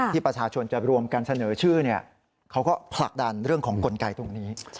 ประชาชนจะรวมกันเสนอชื่อเขาก็ผลักดันเรื่องของกลไกตรงนี้